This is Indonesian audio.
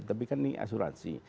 tapi kan ini asuransi